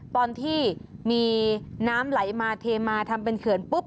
ตอนที่มีน้ำไหลมาเทมาทำเป็นเขื่อนปุ๊บ